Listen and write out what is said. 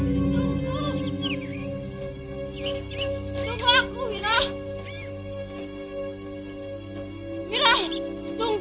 kita seutuhnya langsung